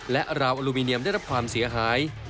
และราวอลูมิเนียมได้รับความเสียหาย